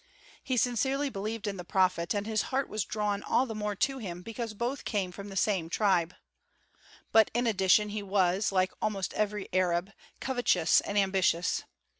He sincerely believed in the prophet and his heart was drawn all the more to him because both came from the same tribe. But in addition he was, like almost every Arab, covetous and ambitious.